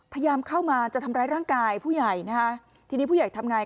พยายามเข้ามาจะทำร้ายร่างกายผู้ใหญ่นะคะทีนี้ผู้ใหญ่ทำไง